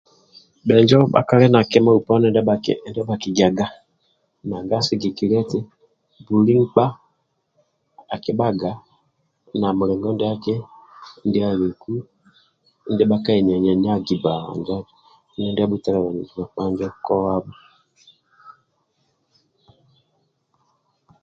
Bhenjo bhakali na kima uponi ndia bhakigiagaga nanga sigikilia eti buli nkpa akibhaga na mulingo ndiaki ndia aliku ndia bhakaenenagi bba injo adhu ndia abhutalabanizi